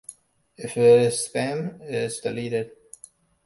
If it's spam, it's deleted.